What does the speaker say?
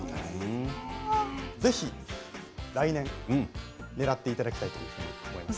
ぜひ来年ねらっていただきたいと思います。